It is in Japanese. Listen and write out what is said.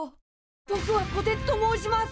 ぼくはこてつと申します！